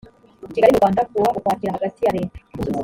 kigali mu rwanda ku wa ukwakira hagati ya leta